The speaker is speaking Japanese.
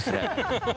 ハハハハ。